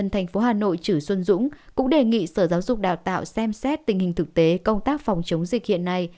thành phố hà nội chử xuân dũng cũng đề nghị sở giáo dục đào tạo xem xét tình hình thực tế công tác phòng chống dịch hiện nay